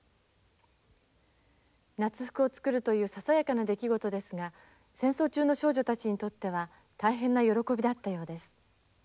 夏服を作るというささやかな出来事ですが戦争中の少女たちにとっては大変な喜びだったようです。